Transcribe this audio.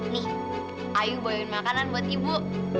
nih ayu bayarin makanan buat ibu